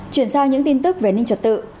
chuyển sang những tin tức về ninh trật tự